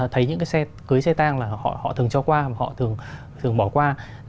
thấy những cái xe cưới xe tang là họ thường cho qua họ thường bỏ qua